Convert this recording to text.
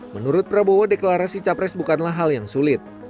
menurut prabowo deklarasi capres bukanlah hal yang sulit